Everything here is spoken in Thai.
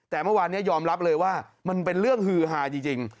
แต่เมื่อวานนี้ยอมรับเลยว่ามันเป็นเรื่องฮือฮาจริง